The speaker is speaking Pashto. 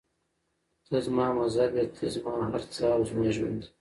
ته زما مذهب یې، ته زما هر څه او زما ژوند یې.